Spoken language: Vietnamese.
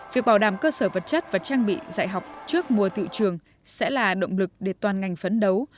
việc bảo đảm cơ sở vật chất và trang bị dạy học trước mùa tiệu trường sẽ là động lực để toàn ngành phấn đấu